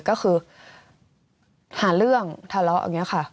ก็คือหาเรื่องทะเลาะอย่างนี้ค่ะ